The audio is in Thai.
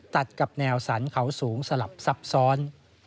ตัดกับแนวสรรเขาสูงสลับซับซ้อน